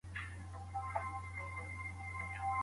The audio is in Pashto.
که خاوند او ميرمن دواړه ملحدين يا مشرکين وي.